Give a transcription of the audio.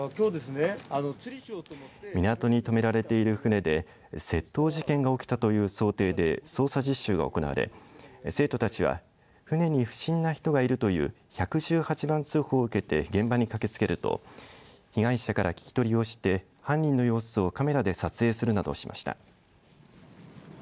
港に止められている船で窃盗事件が起きたという想定で捜査実習が行われ生徒たちは船に不審な人がいるという１１８番通報を受けて現場に駆けつけると被害者から聞き取りをして犯人の様子をカメラで撮影するなどしました。